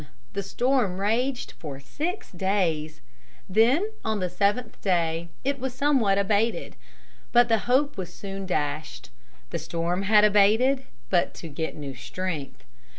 The storm raged for six days. Then on the seventh day it was somewhat abated. But the hope was soon dashed. The storm had abated but to get new strength.